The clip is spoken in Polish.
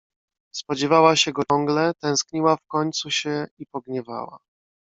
"Spodziewała się go ciągle, tęskniła, w końcu się i pogniewała."